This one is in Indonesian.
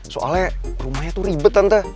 soalnya rumahnya tuh ribet tante